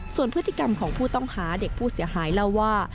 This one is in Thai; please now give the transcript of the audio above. ส่วนพฤติกรรมของผู้ต้องหาเด็กผู้เสียหายเล่าว่า